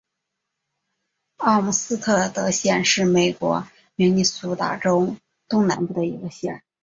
奥姆斯特德县是美国明尼苏达州东南部的一个县。